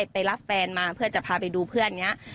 ไปรับแฟนมาเพื่อจะพาไปดูเพื่อนอย่างนี้